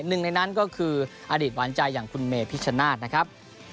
หนึ่งในนั้นก็คืออดีตหวานใจอย่างคุณเมพิชชนาธิ์นะครับ